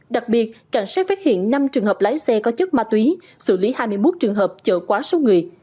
đặc biệt cảnh sát phát hiện năm trường hợp lái xe có chất ma túy xử lý hai mươi một trường hợp chở quá số người